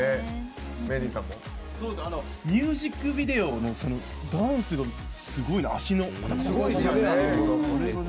ミュージックビデオのダンスがすごい、足のバタバタ。